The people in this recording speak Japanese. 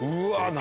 何？